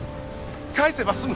返せば済む